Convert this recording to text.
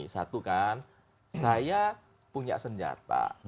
satu kan saya punya senjata